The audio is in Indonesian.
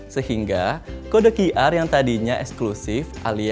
sehingga kode qr yang tadinya eksklusif alias cuma bisa dibaca